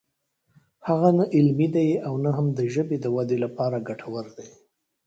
هغه نه علمي دی او نه هم د ژبې د ودې لپاره ګټور دی